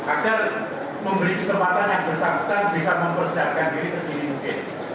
agar memberi kesempatan yang bersangkutan bisa mempersiapkan diri sedini mungkin